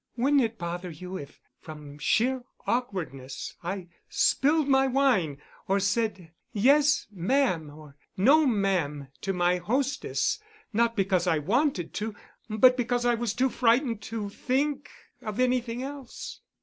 Wouldn't it bother you if from sheer awkwardness I spilled my wine or said 'yes, ma'am,' or 'no, ma'am,' to my hostess, not because I wanted to, but because I was too frightened to think of anything else?